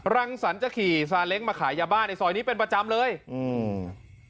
รังสรรค์จะขี่ซาเล้งมาขายยาบ้าในซอยนี้เป็นประจำเลยอืม